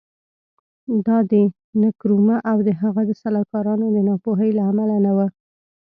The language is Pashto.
دا د نکرومه او د هغه د سلاکارانو د ناپوهۍ له امله نه و.